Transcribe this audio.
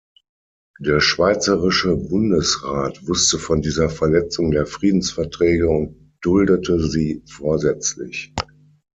Der schweizerische Bundesrat wusste von dieser Verletzung der Friedensverträge und duldete sie vorsätzlich.